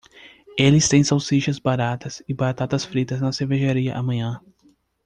Eles têm salsichas baratas e batatas fritas na cervejaria amanhã.